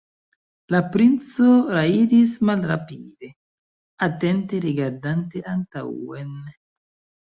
La princo rajdis malrapide, atente rigardante antaŭen.